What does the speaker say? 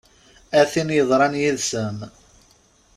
A tin yeḍran yid-sen!